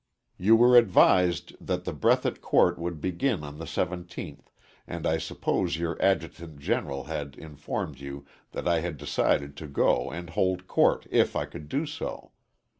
You were advised that the Breathitt court would begin on the 17th, and I suppose your Adjutant General had informed you that I had decided to go and hold court if I could do so.